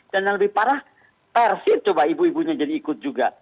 dan yang lebih parah persip coba ibu ibunya jadi ikut juga